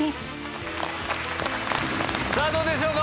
さあどうでしょうか？